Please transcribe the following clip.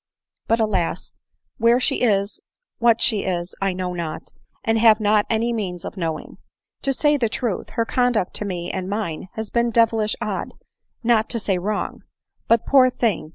But, alas ! where she is, what she is, I know not, and have not any means of knowing. To say the truth, her conduct to me and mine has been devilish odd, not to say wrong. But, poor thing